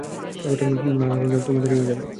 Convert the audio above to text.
না রাহুল যাও তোমার দেরি হয়ে যাবে।